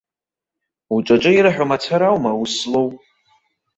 Уҿаҿы ирҳәо мацара аума аус злоу.